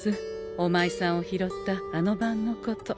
おまいさんを拾ったあの晩のこと。